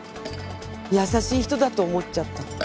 優しい人だと思っちゃった。